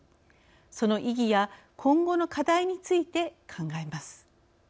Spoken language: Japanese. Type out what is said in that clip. その意義や、今後の課題について考えます。